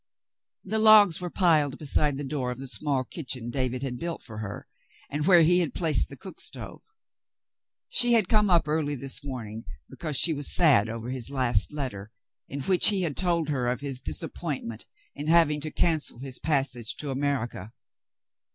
The logs w^ere piled beside the door of the small kitchen David had built for her, and where he had placed the cook stove. She had come up early this morning, because she was sad over his last letter, in which he had told her of his disappointment in having to cancel his passage to America.